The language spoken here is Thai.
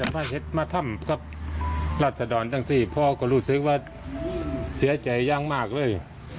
พระเจ้ามาทำลัตรสะดอนทั้งสิพอก็รู้สึกว่าเสียใจยั้งมากเลย